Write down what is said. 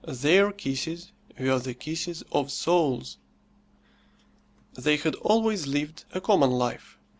Their kisses were the kisses of souls. They had always lived a common life.